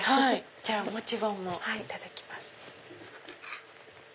じゃあモチボンもいただきます。